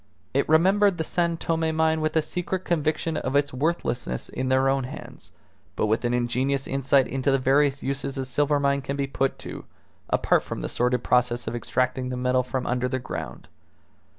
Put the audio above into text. It remembered the San Tome mine with a secret conviction of its worthlessness in their own hands, but with an ingenious insight into the various uses a silver mine can be put to, apart from the sordid process of extracting the metal from under the ground.